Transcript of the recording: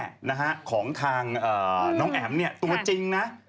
ที่บ้านของย่าน้องแอ๋มเคยมาอยู่กับน้า